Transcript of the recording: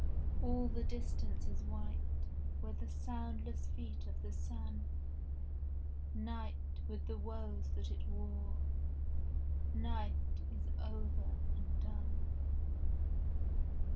All the distance is white With the soundless feet of the sun. Night, with the woes that it wore, Night is over and done.